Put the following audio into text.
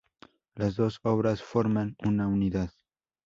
Las dos obras forman una unidad.